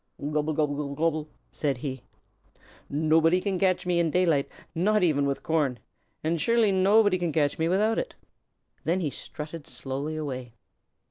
"Gobble gobble gobble!" said he. "Nobody can catch me in daylight, not even with corn; and surely nobody can catch me without it." Then he strutted slowly away.